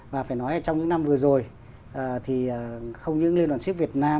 và phải nói trong những năm vừa rồi thì không những liên đoàn siết việt nam